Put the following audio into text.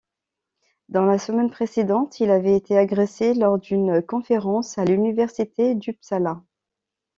Dans la semaine précédente, il avait été agressé lors d'une conférence à l'université d'Uppsala.